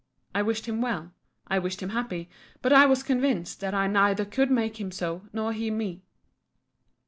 I wished him well. I wished him happy. But I was convinced, that I neither could make him so, nor he me.